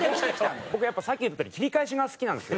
僕やっぱさっき言ったとおり切り返しが好きなんですよ。